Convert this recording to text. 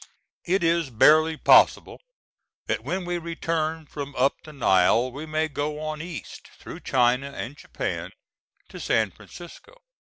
It is barely possible that when we return from up the Nile we may go on East, through China and Japan to San Francisco.